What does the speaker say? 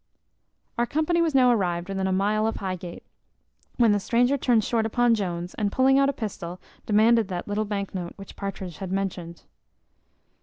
Our company were now arrived within a mile of Highgate, when the stranger turned short upon Jones, and pulling out a pistol, demanded that little bank note which Partridge had mentioned.